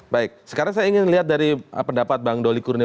baik sekarang saya ingin lihat dari pendapat bang doli kurnia